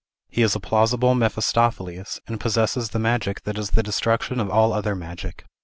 He is a plausible Mephistopheles, and possesses the magic that is the destruction of all other magic.